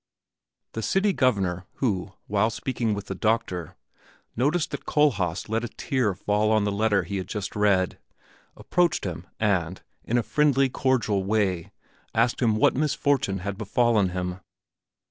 The City Governor, who, while speaking with the doctor, noticed that Kohlhaas let a tear fall on the letter he had just read, approached him and, in a friendly, cordial way, asked him what misfortune had befallen him.